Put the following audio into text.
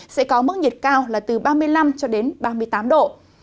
sẽ có mức nhiệt cao là từ ba mươi năm ba mươi tám độ